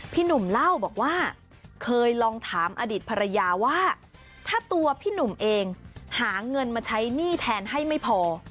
พี่หนุ่มเล่าบอกว่าเคยลองถามอดีตภรรยาว่าถ้าตัวพี่หนุ่มเองหาเงินมาใช้หนี้แทนให้ไม่พอ